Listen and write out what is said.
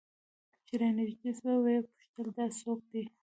چې رانژدې سوه ويې پوښتل دا څوك دى؟